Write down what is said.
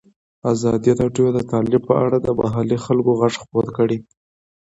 ازادي راډیو د تعلیم په اړه د محلي خلکو غږ خپور کړی.